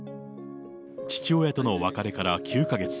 父親との別れから９か月。